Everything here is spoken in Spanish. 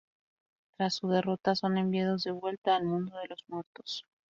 Tras su derrota son enviados de vuelta al mundo de los muertos.